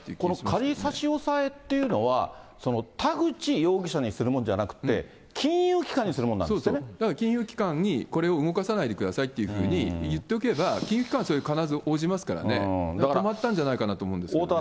仮差し押さえというのは、田口容疑者にするもんじゃなくて、だから金融機関に、これを動かさないでくださいというふうに言っておけば、金融機関はそれ、必ず応じますからね、止まったんじゃないかと思うんですけれども。